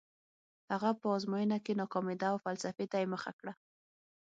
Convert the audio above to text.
هغه په ازموینو کې ناکامېده او فلسفې ته یې مخه کړه